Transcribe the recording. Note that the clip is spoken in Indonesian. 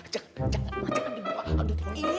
jangan ma jangan